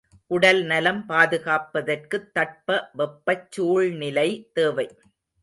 உடல்நலம் பாதுகாப்பதற்குத் தட்ப வெப்பச் சூழ்நிலை தேவை.